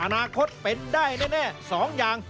อนาคตเป็นได้แน่๒อย่าง